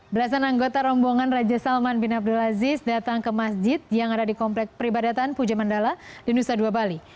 belasan anggota rombongan raja salman bin abdulaziz datang ke masjid yang ada di komplek peribadatan puja mandala di nusa dua bali